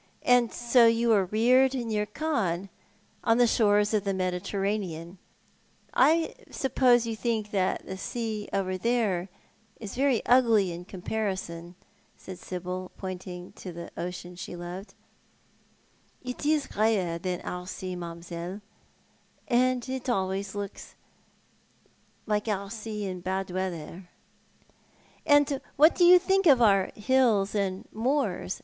And so you were reared near Cannes, on the shores of the Mediterranean ? I suppose you tliink that soa over there ugly, in comparison ?" said Sibyl, pointing to the ocean she loved. "It is greyer than our sea, mam'selle, and it looks always like our sea in bail weather." "And what do you think of our hills and moors?"